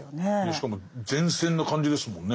しかも前線な感じですもんね。